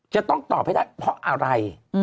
จะต้องตอบให้ได้เพราะอะไร